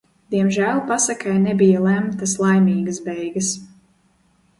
Diemžēl pasakai nebija lemtas laimīgas beigas.